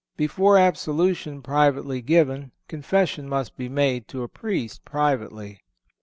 _ Before absolution privately given, confession must be made to a Priest privately.